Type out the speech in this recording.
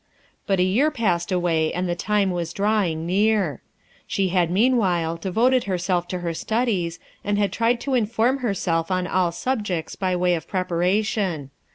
But a year passed away, and the time was drawing near. She had, meanwhile, devoted herself to her studies, and had tried to inform herself on all subjects by way of preparation.